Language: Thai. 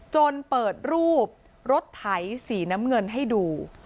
จนเปิดรูปรถไถสีน้ำเงินให้ดู